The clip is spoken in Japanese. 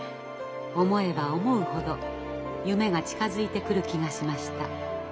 思えば思うほど夢が近づいてくる気がしました。